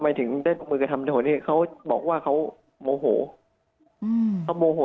ไม่ถึงได้ลงมือกระทำแต่เขาบอกว่าเขาโมโห